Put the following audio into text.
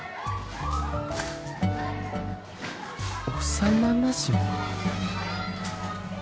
幼なじみ？